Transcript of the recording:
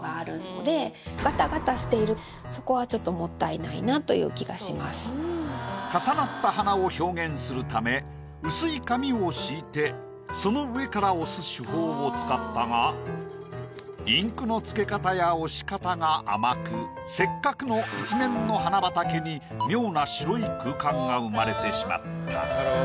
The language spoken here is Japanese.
ちょっと重なった花を表現するため薄い紙を敷いてその上から押す手法を使ったがインクのつけ方や押し方が甘くせっかくの一面の花畑に妙な白い空間が生まれてしまった。